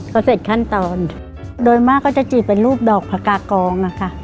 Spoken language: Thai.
ก็เสร็จขั้นตอนโดยมากก็จะจีบเป็นรูปดอกพระกากองนะคะ